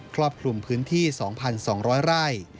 รอบคลุมพื้นที่๒๒๐๐ไร่